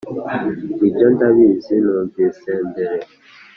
'nibyo, ndabizi, numvise mbere.